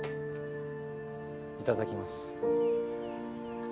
いただきます。